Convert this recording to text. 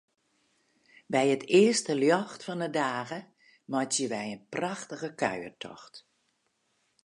By it earste ljocht fan 'e dage meitsje wy in prachtige kuiertocht.